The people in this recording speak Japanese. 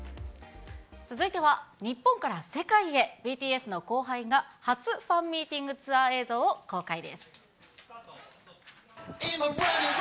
続いては日本から世界へ、ＢＴＳの後輩が初ファンミーティングツアー映像を公開です。